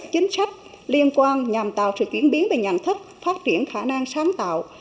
chính sách liên quan nhằm tạo sự chuyển biến về nhận thức phát triển khả năng sáng tạo